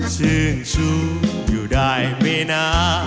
ชื่นชู้อยู่ได้ไหมนะ